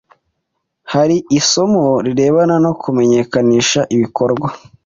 Hari isomo rirebana no kumenyakanisha ibikorwa